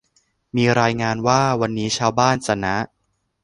มีรายงานว่า วันนี้ชาวบ้านจะนะ